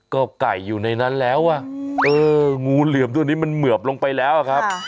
ก็ไก่อยู่ในนั้นแล้วอ่ะเอองูเหลือมตัวนี้มันเหมือบลงไปแล้วอะครับ